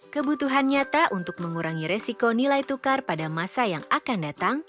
kebutuhan nyata untuk mengurangi resiko nilai tukar pada masa yang akan datang